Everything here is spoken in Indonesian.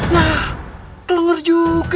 yah kelenger juga